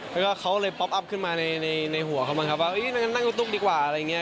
แล้วก็เขาเลยป๊อปอัพขึ้นมาในหัวเขาบ้างครับว่างั้นนั่งรถตุ๊กดีกว่าอะไรอย่างนี้